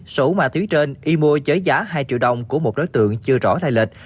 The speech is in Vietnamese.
sổ ma túy trên y mua giới giá hai triệu đồng của một đối tượng chưa rõ thai lệch